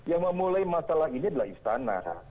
yang memulai masalah ini adalah istana